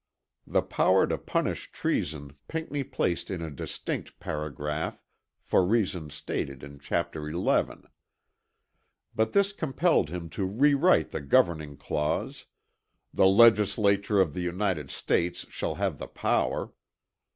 The power to punish treason Pinckney placed in a distinct paragraph for reasons stated in chapter XI. But this compelled him to rewrite the governing clause, "The Legislature of the United States shall have the power."